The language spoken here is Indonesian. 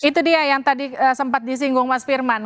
itu dia yang tadi sempat disinggung mas firman